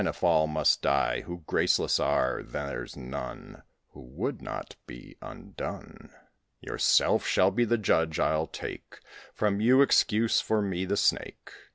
if all must die Who graceless are, there's none Who would not be undone. Yourself shall be the judge; I'll take From you excuse for me, the Snake.